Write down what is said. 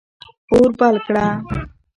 اور بل کړه.